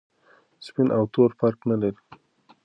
سپین او تور فرق نلري.